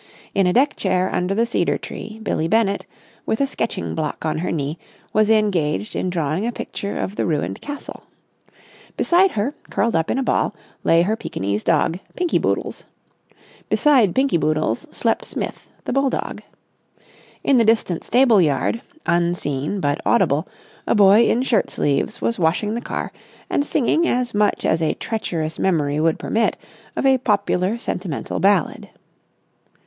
In a deck chair under the cedar tree Billie Bennett, with a sketching block on her knee, was engaged in drawing a picture of the ruined castle. Beside her, curled up in a ball, lay her Pekinese dog, Pinky Boodles. Beside Pinky Boodles slept Smith, the bulldog. In the distant stable yard, unseen but audible, a boy in shirt sleeves was washing the car and singing as much as a treacherous memory would permit of a popular sentimental ballad.